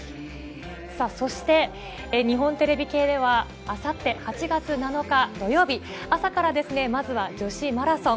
そして、日本テレビ系ではあさって８月７日土曜日朝から、まずは女子マラソン。